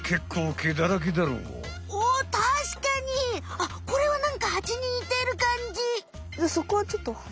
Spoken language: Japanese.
あっこれはなんかハチに似てるかんじ！